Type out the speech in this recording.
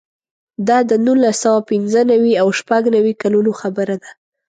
دا د نولس سوه پنځه نوي او شپږ نوي کلونو خبره ده.